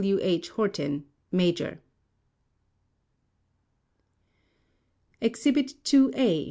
W. H. HORTIN Major Exhibit II A.